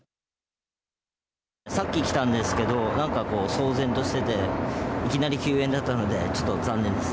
さっき来たんですけど何かこう騒然としてていきなり休園だったのでちょっと残念です。